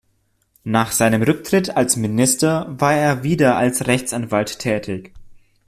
Nach seinem Rücktritt als Minister war er wieder als Rechtsanwalt tätig.